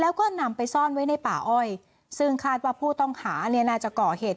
แล้วก็นำไปซ่อนไว้ในป่าอ้อยซึ่งคาดว่าผู้ต้องหาเนี่ยน่าจะก่อเหตุ